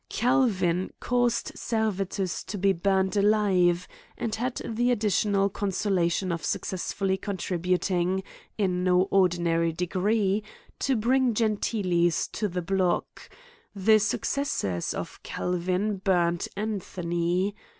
Calvin caused Servetus to be burned alive ; and had the additional consolation of suc cessfully contributing, in no ordinary degree, to bring Gentilis to the block : the successors of Calvin burned x\nthony.